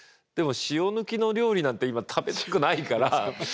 でも塩抜きの料理なんて今食べたくないから。